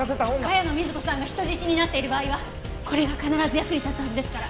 茅野瑞子さんが人質になっている場合はこれが必ず役に立つはずですから。